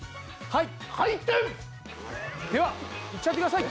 はい！